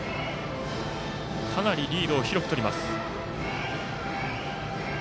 かなりリードを広くとります。